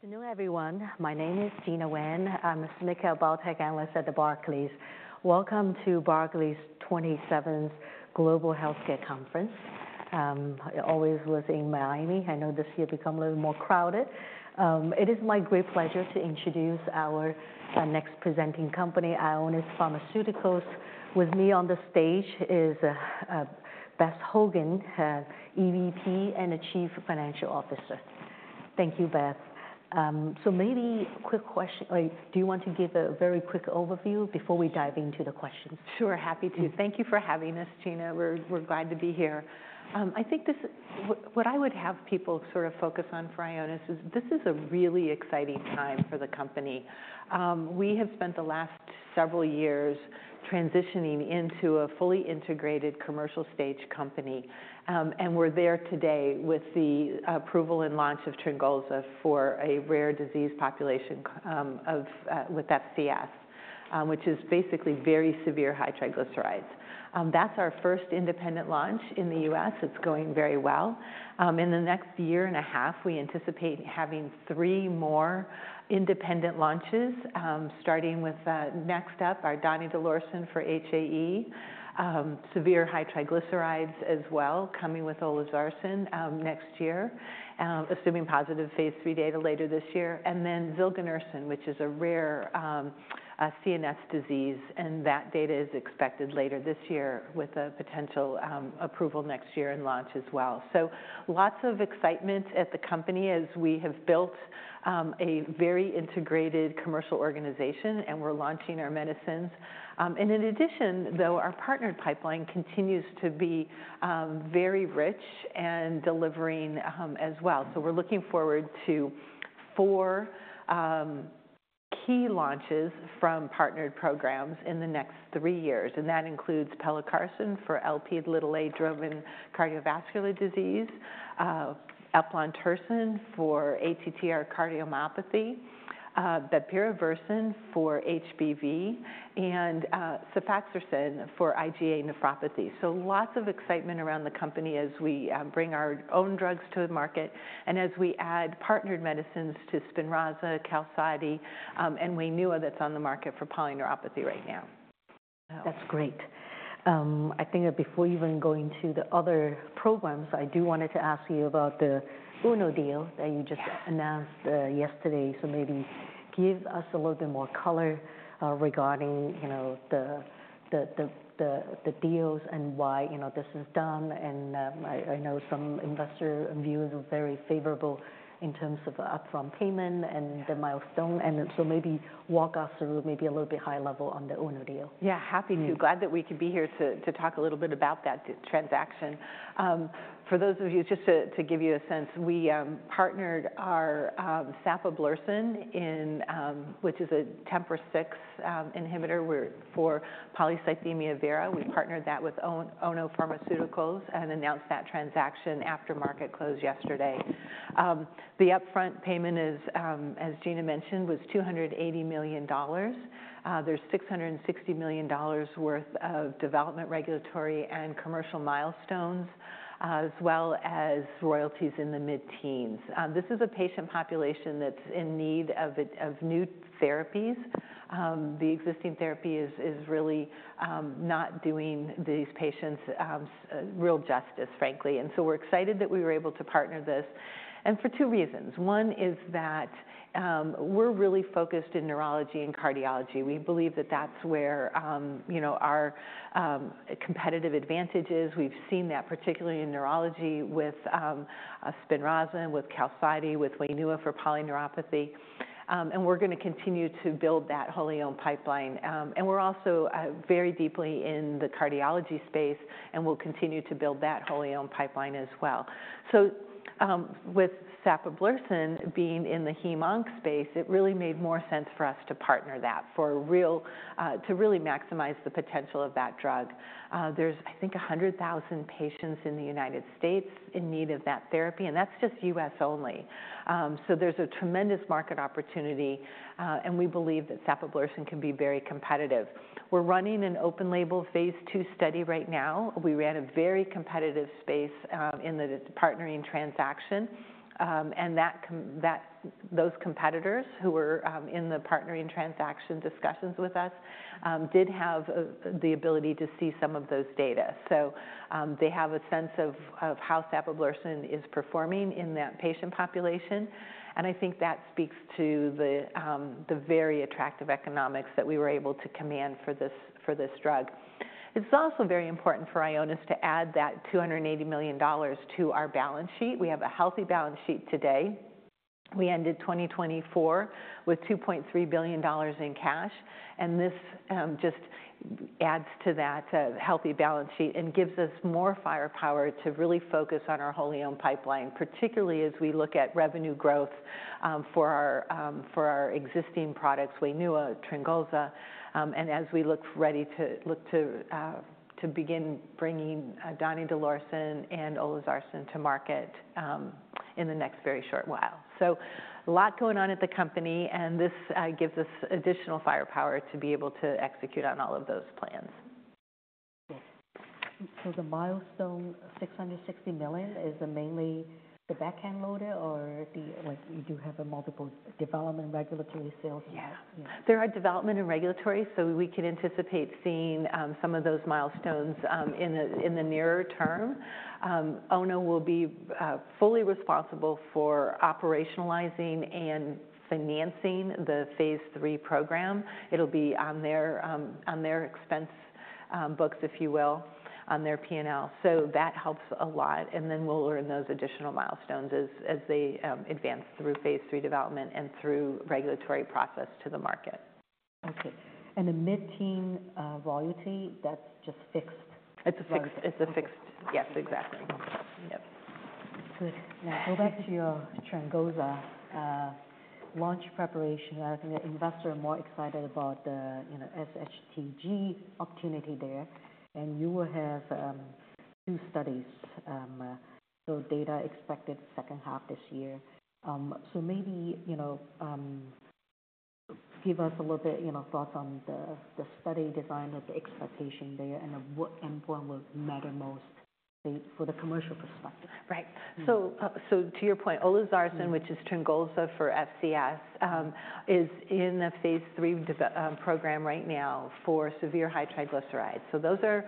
Good afternoon, everyone. My name is Gena Wang. I'm a cynical biotech analyst at Barclays. Welcome to Barclays' 27th Global Healthcare Conference. I always was in Miami. I know this year has become a little more crowded. It is my great pleasure to introduce our next presenting company, Ionis Pharmaceuticals. With me on the stage is Beth Hougen, EVP and Chief Financial Officer. Thank you, Beth. Maybe a quick question. Do you want to give a very quick overview before we dive into the questions? Sure, happy to. Thank you for having us, Gena. We're glad to be here. I think what I would have people sort of focus on for Ionis is this is a really exciting time for the company. We have spent the last several years transitioning into a fully integrated commercial stage company. We're there today with the approval and launch of Tryngolza for a rare disease population with FCS, which is basically very severe high triglycerides. That's our first independent launch in the U.S. It's going very well. In the next year and a half, we anticipate having three more independent launches, starting with next up, our donidalorsen for HAE, severe high triglycerides as well, coming with olezarsen next year, assuming positive phase III data later this year. Then Zilganersen, which is a rare CNS disease. That data is expected later this year with a potential approval next year and launch as well. Lots of excitement at the company as we have built a very integrated commercial organization and we're launching our medicines. In addition, though, our partnered pipeline continues to be very rich and delivering as well. We're looking forward to four key launches from partnered programs in the next three years. That includes pelacarsen for Lp(a)-driven cardiovascular disease, eplontersen for ATTR cardiomyopathy, bepirovirsen for HBV, and cefaxacin for IgA nephropathy. Lots of excitement around the company as we bring our own drugs to the market and as we add partnered medicines to Spinraza, Qalsody, and Wainua, that's on the market for polyneuropathy right now. That's great. I think before even going to the other programs, I do want to ask you about the Wainua deal that you just announced yesterday. Maybe give us a little bit more color regarding the deal and why this is done. I know some investor views are very favorable in terms of upfront payment and the milestone. Maybe walk us through a little bit high level on the Wainua deal. Yeah, happy to. Glad that we could be here to talk a little bit about that transaction. For those of you, just to give you a sense, we partnered our saphablursen, which is a TMPRSS6 inhibitor for polycythemia vera. We partnered that with Ono Pharmaceutical and announced that transaction after market close yesterday. The upfront payment, as Gena mentioned, was $280 million. There's $660 million worth of development, regulatory, and commercial milestones, as well as royalties in the mid-teens. This is a patient population that's in need of new therapies. The existing therapy is really not doing these patients real justice, frankly. We are excited that we were able to partner this for two reasons. One is that we're really focused in neurology and cardiology. We believe that that's where our competitive advantage is. We've seen that particularly in neurology with Spinraza, with Qalsody, with Wainua for polyneuropathy. We're going to continue to build that whole Ion pipeline. We're also very deeply in the cardiology space and we'll continue to build that whole Ion pipeline as well. With saphablursen being in the HemOnc space, it really made more sense for us to partner that to really maximize the potential of that drug. I think there are 100,000 patients in the United States in need of that therapy. That's just U.S. only. There's a tremendous market opportunity. We believe that saphablursen can be very competitive. We're running an open label phase II study right now. We ran a very competitive space in the partnering transaction. Those competitors who were in the partnering transaction discussions with us did have the ability to see some of those data. They have a sense of how saphablursen is performing in that patient population. I think that speaks to the very attractive economics that we were able to command for this drug. It's also very important for Ionis to add that $280 million to our balance sheet. We have a healthy balance sheet today. We ended 2024 with $2.3 billion in cash. This just adds to that healthy balance sheet and gives us more firepower to really focus on our whole Ionis pipeline, particularly as we look at revenue growth for our existing products, Wainua, Tryngolza. As we look ready to begin bringing donidalorsen and olezarsen to market in the next very short while. A lot going on at the company. This gives us additional firepower to be able to execute on all of those plans. The milestone $660 million is mainly the backhand loaded or you do have multiple development regulatory sales? Yeah, there are development and regulatory. We can anticipate seeing some of those milestones in the nearer term. Ono will be fully responsible for operationalizing and financing the phase III program. It will be on their expense books, if you will, on their P&L. That helps a lot. We will learn those additional milestones as they advance through phase III development and through regulatory process to the market. Okay. The mid-teen royalty, that's just fixed? It's a fixed. Yes, exactly. Good. Now go back to your Tryngolza launch preparation. I think investors are more excited about the SHTG opportunity there. You will have two studies. Data expected second half this year. Maybe give us a little bit of thoughts on the study design of the expectation there and what will matter most for the commercial perspective. Right. To your point, olezarsen, which is Tryngolza for FCS, is in the phase III program right now for severe high triglycerides. Those are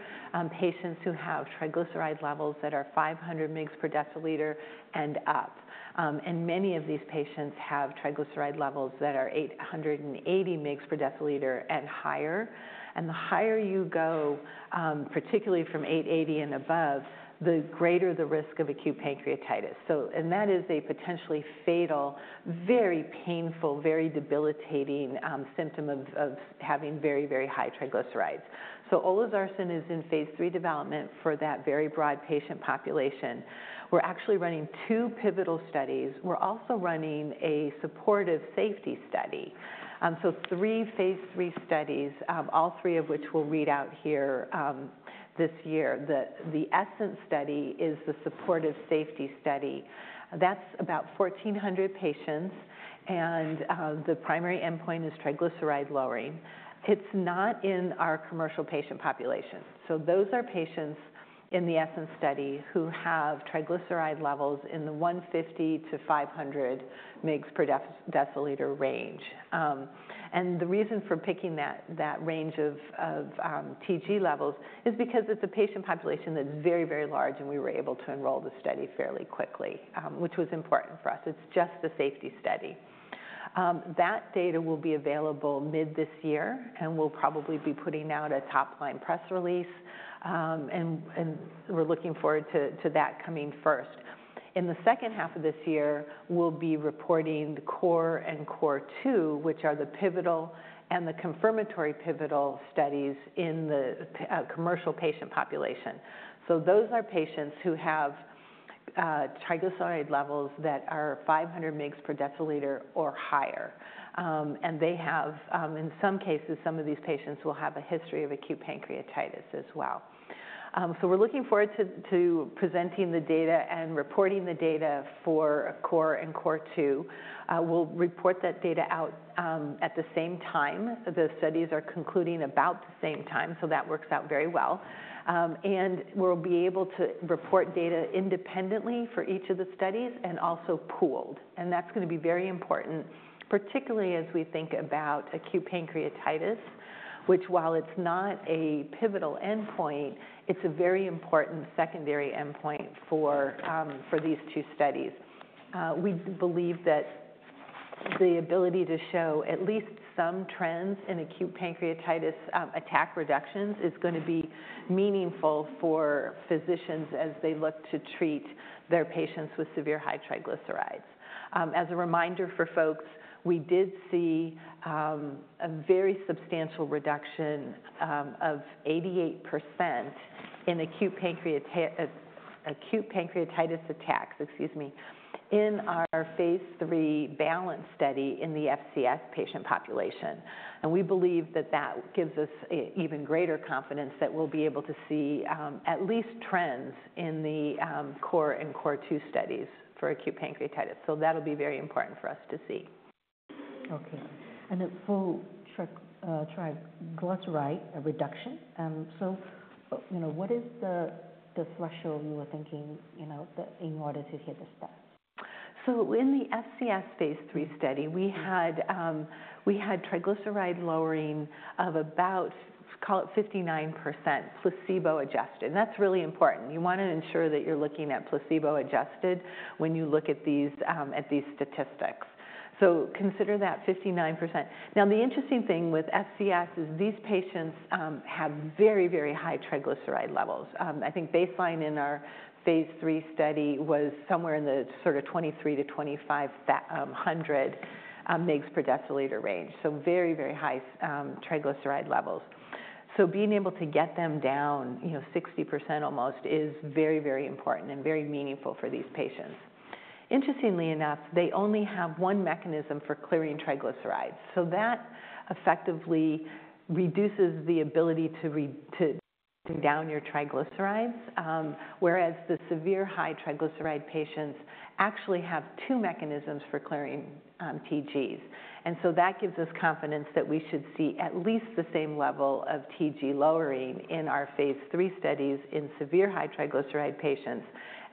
patients who have triglyceride levels that are 500 mg/dL and up. Many of these patients have triglyceride levels that are 880 mg/dL and higher. The higher you go, particularly from 880 and above, the greater the risk of acute pancreatitis. That is a potentially fatal, very painful, very debilitating symptom of having very, very high triglycerides. Olezarsen is in phase III development for that very broad patient population. We're actually running two pivotal studies. We're also running a supportive safety study. Three phase III studies, all three of which will read out here this year. The ESSENCE study is the supportive safety study. That's about 1,400 patients. The primary endpoint is triglyceride lowering. It's not in our commercial patient population. Those are patients in the ESSENCE study who have triglyceride levels in the 150-500 mg/dL range. The reason for picking that range of TG levels is because it's a patient population that's very, very large. We were able to enroll the study fairly quickly, which was important for us. It's just the safety study. That data will be available mid this year. We'll probably be putting out a top-line press release. We're looking forward to that coming first. In the second half of this year, we'll be reporting the core and core two, which are the pivotal and the confirmatory pivotal studies in the commercial patient population. Those are patients who have triglyceride levels that are 500 mg/dL or higher. They have, in some cases, some of these patients will have a history of acute pancreatitis as well. We are looking forward to presenting the data and reporting the data for core and core two. We will report that data out at the same time. The studies are concluding about the same time. That works out very well. We will be able to report data independently for each of the studies and also pooled. That is going to be very important, particularly as we think about acute pancreatitis, which, while it is not a pivotal endpoint, is a very important secondary endpoint for these two studies. We believe that the ability to show at least some trends in acute pancreatitis attack reductions is going to be meaningful for physicians as they look to treat their patients with severe high triglycerides. As a reminder for folks, we did see a very substantial reduction of 88% in acute pancreatitis attacks in our phase III BALANCE study in the FCS patient population. We believe that that gives us even greater confidence that we'll be able to see at least trends in the CORE and CORE 2 studies for acute pancreatitis. That will be very important for us to see. Okay. For triglyceride reduction, what is the threshold you were thinking in order to hit the stats? In the FCS phase III study, we had triglyceride lowering of about, call it 59%, placebo adjusted. That is really important. You want to ensure that you're looking at placebo adjusted when you look at these statistics. Consider that 59%. Now, the interesting thing with FCS is these patients have very, very high triglyceride levels. I think baseline in our phase III study was somewhere in the sort of 2,300-2,500 mg/dL range. Very, very high triglyceride levels. Being able to get them down 60% almost is very, very important and very meaningful for these patients. Interestingly enough, they only have one mechanism for clearing triglycerides. That effectively reduces the ability to down your triglycerides, whereas the severe high triglyceride patients actually have two mechanisms for clearing TGs. That gives us confidence that we should see at least the same level of TG lowering in our phase III studies in severe high triglyceride patients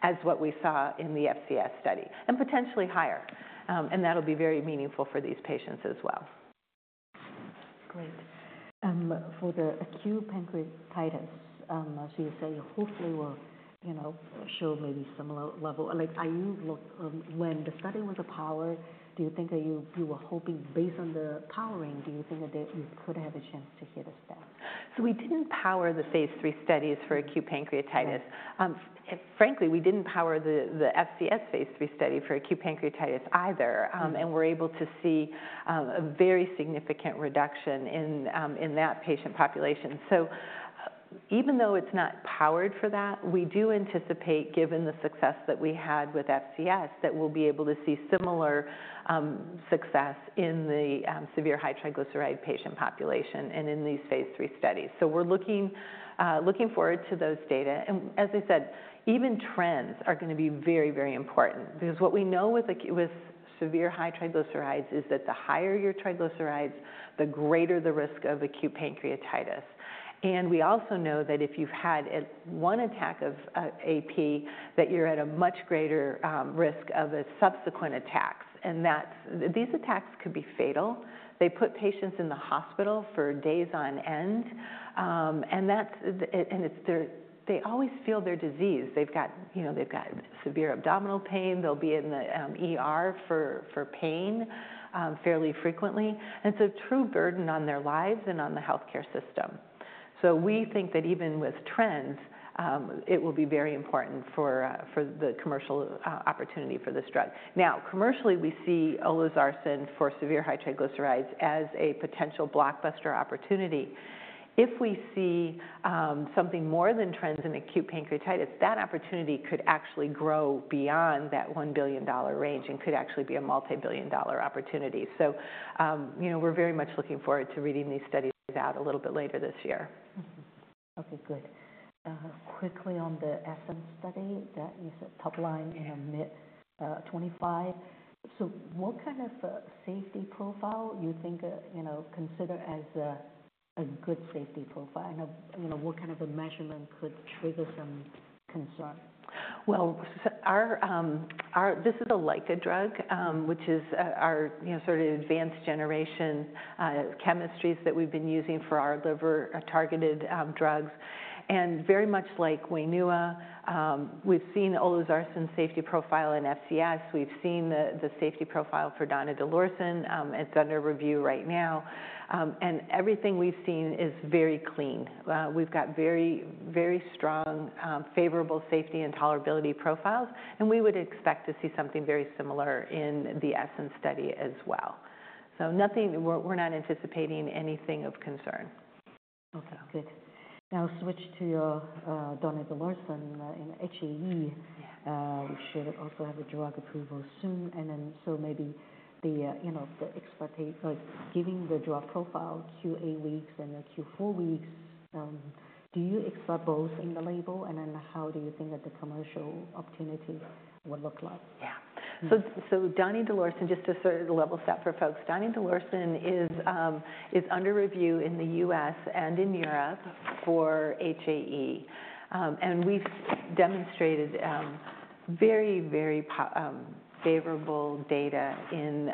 as what we saw in the FCS study and potentially higher. That will be very meaningful for these patients as well. Great. For the acute pancreatitis, as you say, hopefully will show maybe some level. When the study was powered, do you think you were hoping based on the powering, do you think that you could have a chance to hit a stat? We did not power the phase III studies for acute pancreatitis. Frankly, we did not power the FCS phase III study for acute pancreatitis either. We are able to see a very significant reduction in that patient population. Even though it is not powered for that, we do anticipate, given the success that we had with FCS, that we will be able to see similar success in the severe high triglyceride patient population and in these phase III studies. We are looking forward to those data. As I said, even trends are going to be very, very important because what we know with severe high triglycerides is that the higher your triglycerides, the greater the risk of acute pancreatitis. We also know that if you have had one attack of AP, you are at a much greater risk of subsequent attacks. These attacks could be fatal. They put patients in the hospital for days on end. They always feel their disease. They've got severe abdominal pain. They'll be in for pain fairly frequently. It is a true burden on their lives and on the healthcare system. We think that even with trends, it will be very important for the commercial opportunity for this drug. Now, commercially, we see Olezarsen for severe high triglycerides as a potential blockbuster opportunity. If we see something more than trends in acute pancreatitis, that opportunity could actually grow beyond that $1 billion range and could actually be a multi-billion dollar opportunity. We are very much looking forward to reading these studies out a little bit later this year. Okay, good. Quickly on the ESSENCE study that you said top line in mid 2025. What kind of safety profile do you think consider as a good safety profile? What kind of a measurement could trigger some concern? This is a LICA drug, which is our sort of advanced generation chemistries that we've been using for our liver targeted drugs. Very much like Wainua, we've seen olezarsen safety profile in FCS. We've seen the safety profile for donidalorsen. It's under review right now. Everything we've seen is very clean. We've got very, very strong favorable safety and tolerability profiles. We would expect to see something very similar in the ESSENCE study as well. We're not anticipating anything of concern. Okay, good. Now switch to your donidalorsen in HAE, which should also have a drug approval soon. Maybe the expertise giving the drug profile Q8 weeks and Q4 weeks, do you expect both in the label? How do you think that the commercial opportunity will look like? Yeah. Donidalorsen, just to sort of level set for folks, donidalorsen is under review in the U.S. and in Europe for HAE. We've demonstrated very, very favorable data in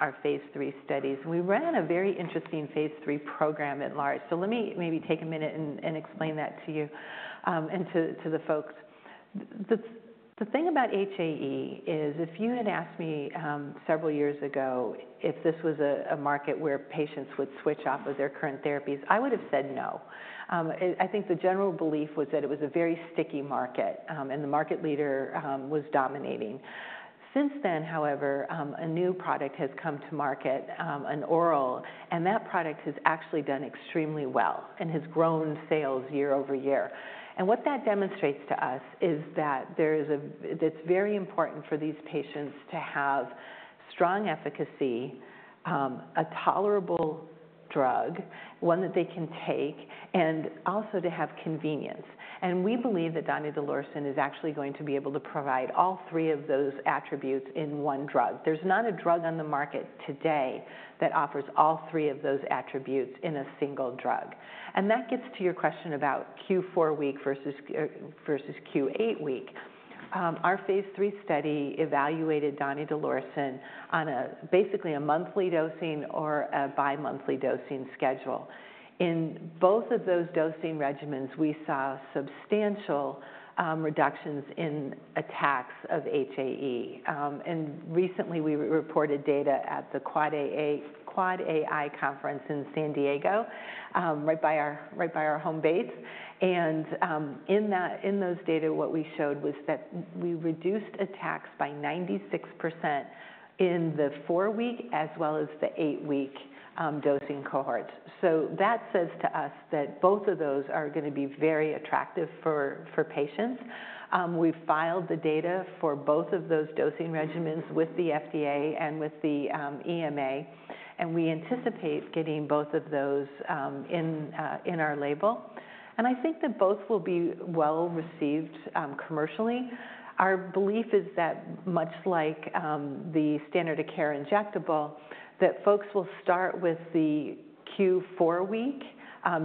our phase III studies. We ran a very interesting phase III program at large. Let me maybe take a minute and explain that to you and to the folks. The thing about HAE is if you had asked me several years ago if this was a market where patients would switch off of their current therapies, I would have said no. I think the general belief was that it was a very sticky market. The market leader was dominating. Since then, however, a new product has come to market, an oral. That product has actually done extremely well and has grown sales year over year. What that demonstrates to us is that it's very important for these patients to have strong efficacy, a tolerable drug, one that they can take, and also to have convenience. We believe that donidalorsen is actually going to be able to provide all three of those attributes in one drug. There's not a drug on the market today that offers all three of those attributes in a single drug. That gets to your question about Q4 week versus Q8 week. Our phase III study evaluated donidalorsen on basically a monthly dosing or a bi-monthly dosing schedule. In both of those dosing regimens, we saw substantial reductions in attacks of HAE. Recently, we reported data at the AAAAI Conference in San Diego, right by our home base. In those data, what we showed was that we reduced attacks by 96% in the four-week as well as the eight-week dosing cohorts. That says to us that both of those are going to be very attractive for patients. We filed the data for both of those dosing regimens with the FDA and with the EMA. We anticipate getting both of those in our label. I think that both will be well received commercially. Our belief is that, much like the standard of care injectable, folks will start with the Q4 week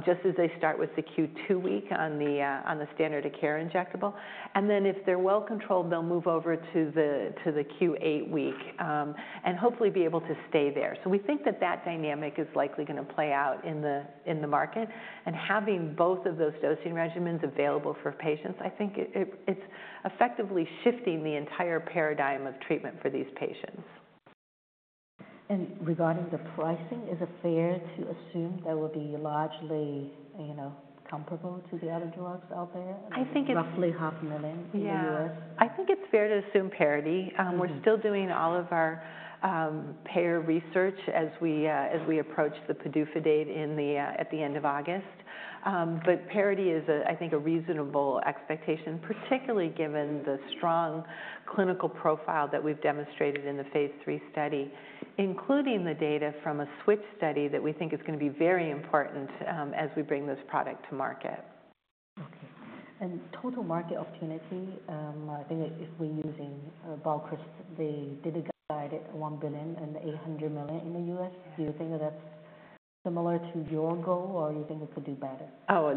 just as they start with the Q2 week on the standard of care injectable. If they're well controlled, they'll move over to the Q8 week and hopefully be able to stay there. We think that dynamic is likely going to play out in the market. Having both of those dosing regimens available for patients, I think it's effectively shifting the entire paradigm of treatment for these patients. Regarding the pricing, is it fair to assume that will be largely comparable to the other drugs out there? I think it's. Roughly 500,000 in the U.S.? Yeah. I think it's fair to assume parity. We're still doing all of our payer research as we approach the PDUFA date at the end of August. Parity is, I think, a reasonable expectation, particularly given the strong clinical profile that we've demonstrated in the phase III study, including the data from a switch study that we think is going to be very important as we bring this product to market. Okay. Total market opportunity, I think if we're using BioCryst, they did a guide at $1 billion and $800 million in the U.S. Do you think that that's similar to your goal or you think it could do better? Oh,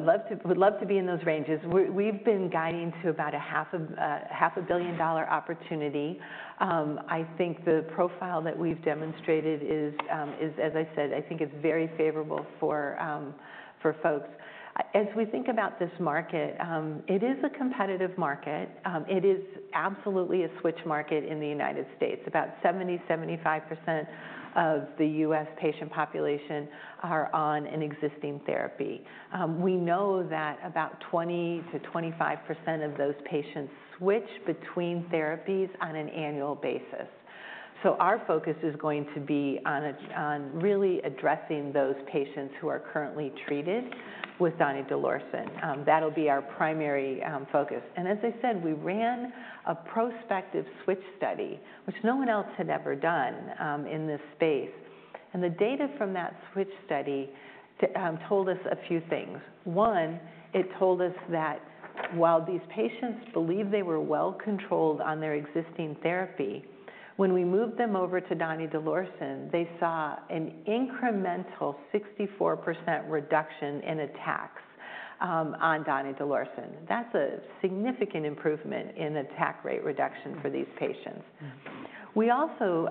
we'd love to be in those ranges. We've been guiding to about a $500,000,000 opportunity. I think the profile that we've demonstrated is, as I said, I think it's very favorable for folks. As we think about this market, it is a competitive market. It is absolutely a switch market in the U.S. About 70%-75% of the U.S. patient population are on an existing therapy. We know that about 20%-25% of those patients switch between therapies on an annual basis. Our focus is going to be on really addressing those patients who are currently treated with donidalorsen. That'll be our primary focus. As I said, we ran a prospective switch study, which no one else had ever done in this space. The data from that switch study told us a few things. One, it told us that while these patients believed they were well controlled on their existing therapy, when we moved them over to donidalorsen, they saw an incremental 64% reduction in attacks on donidalorsen. That's a significant improvement in attack rate reduction for these patients. We also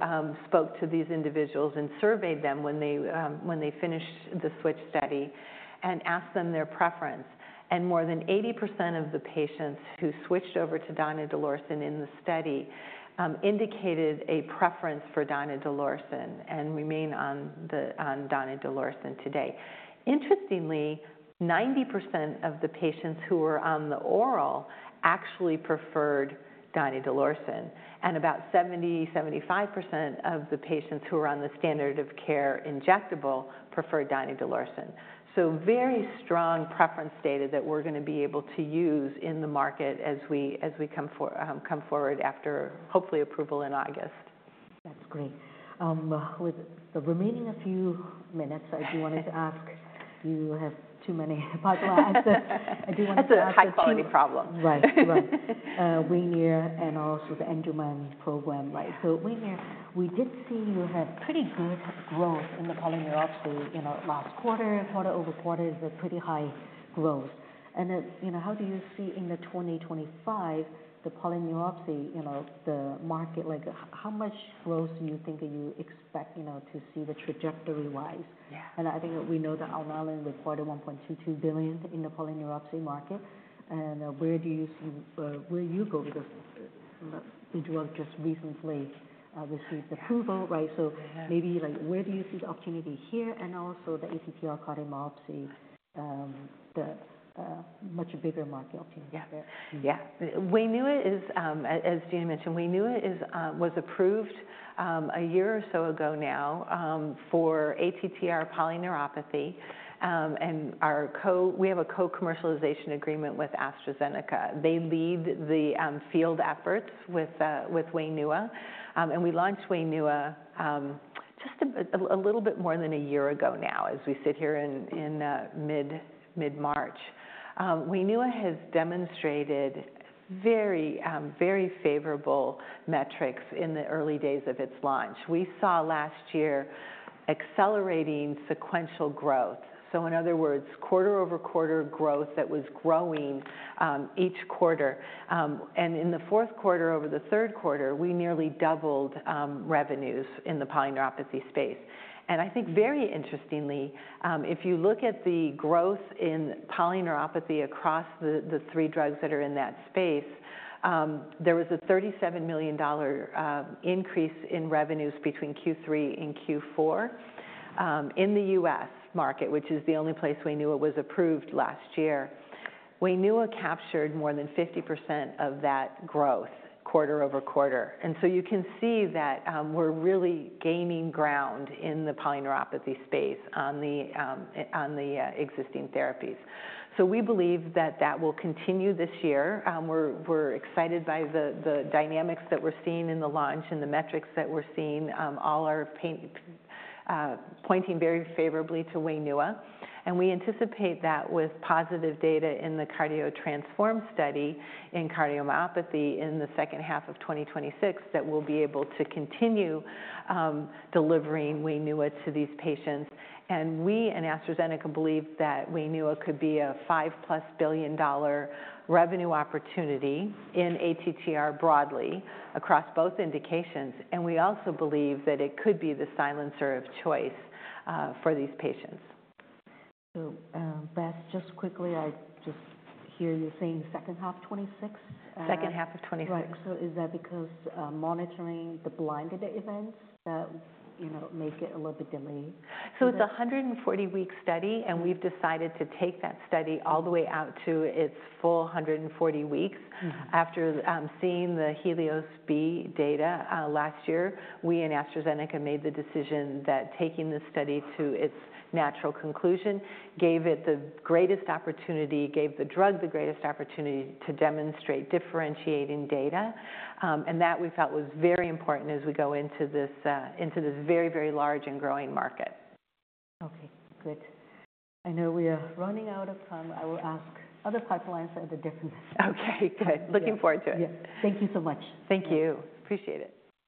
spoke to these individuals and surveyed them when they finished the switch study and asked them their preference. More than 80% of the patients who switched over to donidalorsen in the study indicated a preference for donidalorsen and remain on donidalorsen today. Interestingly, 90% of the patients who were on the oral actually preferred donidalorsen. About 70%-75% of the patients who were on the standard of care injectable preferred donidalorsen. Very strong preference data that we're going to be able to use in the market as we come forward after hopefully approval in August. That's great. With the remaining few minutes, I do want to ask, you have too many. It's a high-quality problem. Right, right. Wainua and also the Angelman program, right? Wainua, we did see you have pretty good growth in the polyneuropathy last quarter. Quarter-over-quarter, it's a pretty high growth. How do you see in 2025, the polyneuropathy, the market, how much growth do you think you expect to see trajectory-wise? I think we know that Alnylam reported $1.22 billion in the polyneuropathy market. Where do you see where you go because the drug just recently received approval, right? Maybe where do you see the opportunity here and also the ATTR cardiomyopathy, the much bigger market opportunity there? Yeah. Wainua is, as Gena mentioned, Wainua was approved a year or so ago now for ATTR polyneuropathy. We have a co-commercialization agreement with AstraZeneca. They lead the field efforts with Wainua. We launched Wainua just a little bit more than a year ago now as we sit here in mid-March. Wainua has demonstrated very, very favorable metrics in the early days of its launch. We saw last year accelerating sequential growth. In other words, quarter over quarter growth that was growing each quarter. In the fourth quarter over the third quarter, we nearly doubled revenues in the polyneuropathy space. I think very interestingly, if you look at the growth in polyneuropathy across the three drugs that are in that space, there was a $37 million increase in revenues between Q3 and Q4 in the U.S. market, which is the only place Wainua was approved last year. Wainua captured more than 50% of that growth quarter-over-quarter. You can see that we're really gaining ground in the polyneuropathy space on the existing therapies. We believe that that will continue this year. We're excited by the dynamics that we're seeing in the launch and the metrics that we're seeing all are pointing very favorably to Wainua. We anticipate that with positive data in the CARDIO-TTRansform study in cardiomyopathy in the second half of 2026 that we'll be able to continue delivering Wainua to these patients. We and AstraZeneca believe that Wainua could be a $5+ billion revenue opportunity in ATTR broadly across both indications. We also believe that it could be the silencer of choice for these patients. Beth, just quickly, I just hear you saying second half 2026. Second half of 2026. Is that because monitoring the blinded events that make it a little bit delayed? It's a 140-week study. We've decided to take that study all the way out to its full 140 weeks. After seeing the HELIOS-B data last year, we and AstraZeneca made the decision that taking this study to its natural conclusion gave it the greatest opportunity, gave the drug the greatest opportunity to demonstrate differentiating data. That we felt was very important as we go into this very, very large and growing market. Okay, good. I know we are running out of time. I will ask other pipelines at a different time. Okay, good. Looking forward to it. Thank you so much. Thank you. Appreciate it.